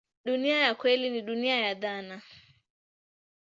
Dunia ya kweli ni dunia ya dhana.